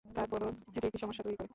তারপরও এটি একটি সমস্যা তৈরি করে।